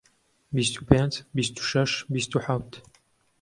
بیست و پێنج، بیست و شەش، بیست و حەوت